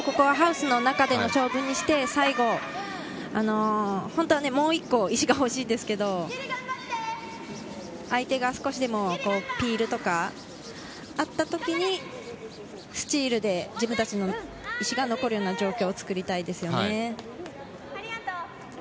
ハウスの中での勝負にして最後、本当はもう１個、石がほしいんですけれど、相手が少しでもピールとかあった時にスチールで自分たちの石が残るような状況を作りたいですね。